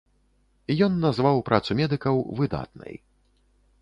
Ён назваў працу медыкаў выдатнай.